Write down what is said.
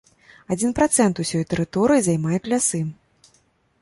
Адзін працэнт усёй тэрыторыі займаюць лясы.